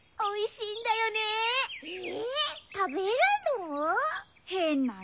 えたべるの？